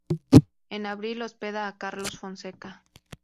En abril hospeda a Carlos Fonseca.